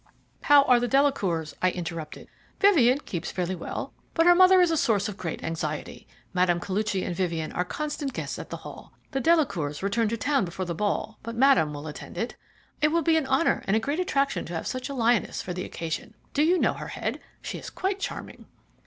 "How are the Delacours?" I interrupted. "Vivien keeps fairly well, but her mother is a source of great anxiety. Mme. Koluchy and Vivien are constant guests at the Hall. The Delacours return to town before the ball, but Madame will attend it. It will be an honour and a great attraction to have such a lioness for the occasion. Do you know her, Head? She is quite charming."